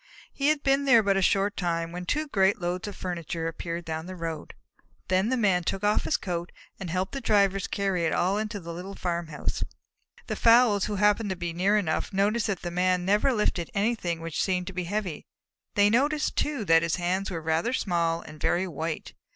He had been there but a short time when two great loads of furniture appeared down the road. Then the Man took off his coat and helped the drivers carry it all into the little farmhouse. The fowls, who happened to be near enough, noticed that the Man never lifted anything which seemed to be heavy. They noticed, too, that his hands were rather small and very white.